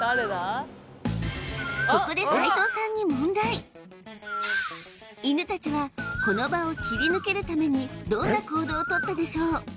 ここで犬たちはこの場を切り抜けるためにどんな行動をとったでしょう